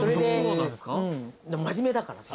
うん真面目だからさ。